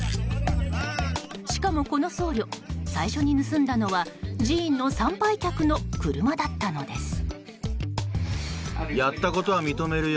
しかもこの僧侶最初に盗んだのは寺院の参拝客の車だったのです。